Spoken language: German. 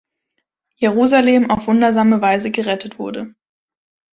Jerusalem auf wundersame Weise gerettet wurde.